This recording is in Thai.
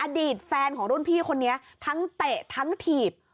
อดีตแฟนของรุ่นพี่คนนี้ทั้งเตะทั้งถีบ